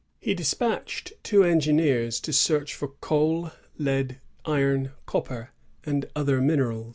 * He despatched two engineers to search for coal, lead, iron, copper, and other minerals.